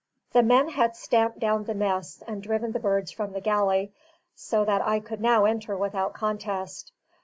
The men had stamped down the nests and driven the birds from the galley, so that I could now enter without contest.